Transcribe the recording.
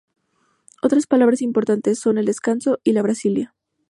Otras paradas importantes son ""El Descanso"" y ""Brasilia"".